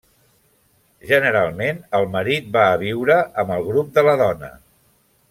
Generalment el marit va a viure amb el grup de la dona.